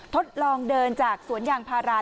ทดลองเดินจากสวนยางพารา